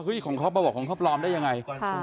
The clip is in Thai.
ของเขามาบอกของเขาปลอมได้ยังไง